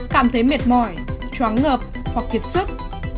cảm thấy mệt mỏi chóng ngợp hoặc kiệt sức